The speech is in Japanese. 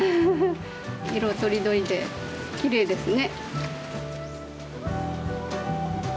色とりどりできれいですね。